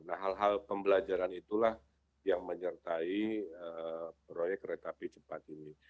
nah hal hal pembelajaran itulah yang menyertai proyek kereta api cepat ini